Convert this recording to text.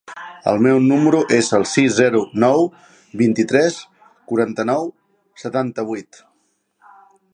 El meu número es el sis, zero, nou, vint-i-tres, quaranta-nou, setanta-vuit.